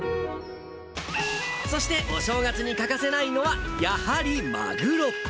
そして、お正月に欠かせないのは、やはりマグロ。